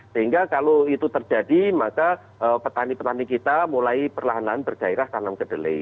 sehingga kalau itu terjadi maka petani petani kita mulai perlahanan bergairah tanam kedele